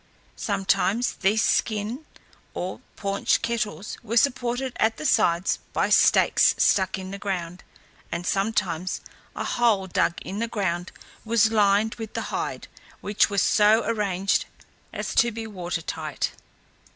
Sometimes these skin or paunch kettles were supported at the sides by stakes stuck in the ground, and sometimes a hole dug in the ground was lined with the hide, which was so arranged as to be water tight.